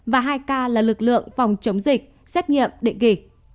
và hai ca là lực lượng phòng chống dịch xét nghiệm định kỳ